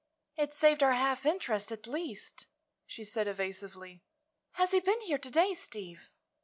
"It saved our half interest, at least," she said, evasively. "Has he been here to day, Steve?"